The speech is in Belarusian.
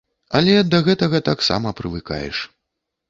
Але да гэтага таксама прывыкаеш.